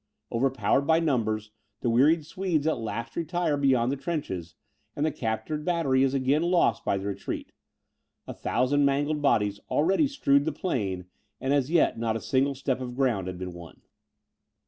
Overpowered by numbers, the wearied Swedes at last retire beyond the trenches; and the captured battery is again lost by the retreat. A thousand mangled bodies already strewed the plain, and as yet not a single step of ground had been won.